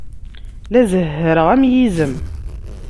La zehhreɣ am yizem.